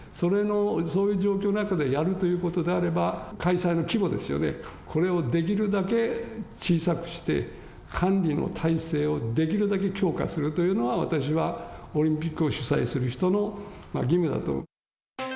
そういう状況の中でやるということであれば、開催の規模ですよね、これをできるだけ小さくして、管理の体制をできるだけ強化するというのが、私はオリンピックを主催する人の義務だと。